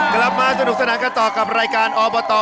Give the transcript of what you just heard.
กลับมาสนุกสนั่งกระต่อกับรายการอโอโบตอร์